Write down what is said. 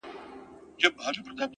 عقل پنډت حلالوي مرگ ته ملا ورکوي _